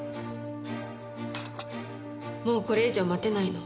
もうこれ以上待てないの。